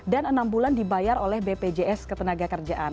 dan enam bulan dibayar oleh bpjs ketenaga kerjaan